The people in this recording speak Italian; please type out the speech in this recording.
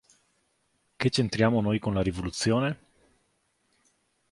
Che c'entriamo noi con la rivoluzione?